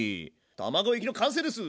卵液の完成です！